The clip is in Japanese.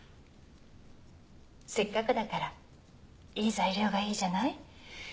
せっかくだからいい材料がいいじゃない？